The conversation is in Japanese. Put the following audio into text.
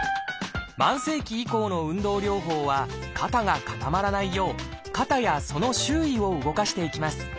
慢性期以降の運動療法は肩が固まらないよう肩やその周囲を動かしていきます。